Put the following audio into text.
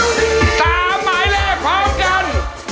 หมายเลขพร้อมกัน